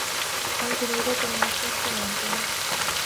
ہم Geneva conventions کو مانتے ہیں۔